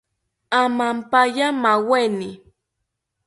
Amampaya maaweni